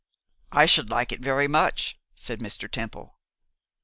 'I should like it very much,' said Mr. Temple.